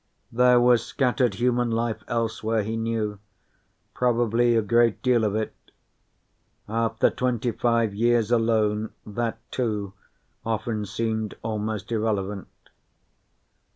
There was scattered human life elsewhere, he knew probably a great deal of it. After twenty five years alone, that, too, often seemed almost irrelevant.